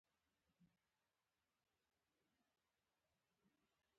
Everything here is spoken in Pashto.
ملامتیا پر نورو وراچوئ.